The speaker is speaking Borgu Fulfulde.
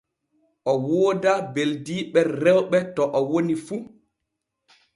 O woodaa beldiiɓe rewɓe to o woni fu.